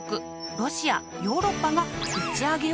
ロシアヨーロッパが打ち上げを予定。